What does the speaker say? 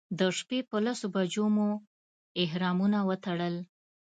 د شپې په لسو بجو مو احرامونه وتړل.